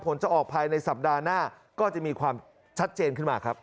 จะออกภายในสัปดาห์หน้าก็จะมีความชัดเจนขึ้นมาครับ